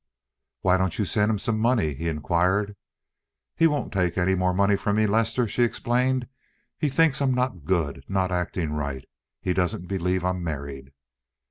"Why don't you send him some money?" he inquired. "He won't take any more money from me, Lester," she explained. "He thinks I'm not good—not acting right. He doesn't believe I'm married."